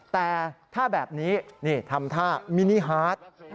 แต่ถ้าแบบนี้นี่ทำท่ามินิฮาร์ด